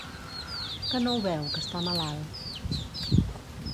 ¿Què no ho veu, que està malalt?